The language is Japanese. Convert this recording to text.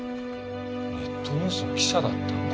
ネットニュースの記者だったんだ。